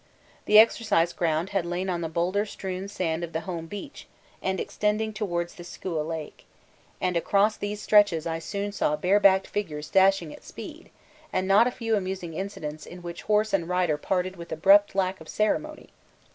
The exercise ground had lain on the boulder strewn sand of the home beach and extending towards the Skua lake; and across these stretches I soon saw barebacked figures dashing at speed, and not a few amusing incidents in which horse and rider parted with abrupt lack of ceremony.